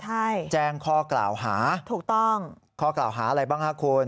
ก็แจ้งข้อกล่าวหาข้อกล่าวหาอะไรบ้างครับคุณ